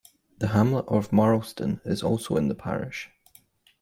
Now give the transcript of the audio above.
The hamlet of Marlston is also in the parish.